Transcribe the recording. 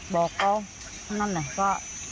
บอกเขานั่นน่ะก็